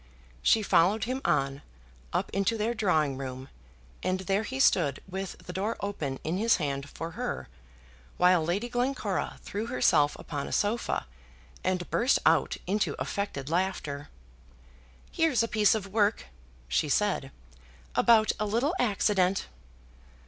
She followed him on, up into their drawing room, and there he stood with the door open in his hand for her, while Lady Glencora threw herself upon a sofa, and burst out into affected laughter. "Here's a piece of work," she said, "about a little accident."